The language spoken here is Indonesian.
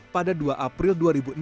pada dua april dua ribu enam belas